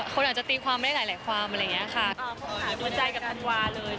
คนอาจจะตีความไม่ได้หลายความอะไรอย่างนี้ค่ะ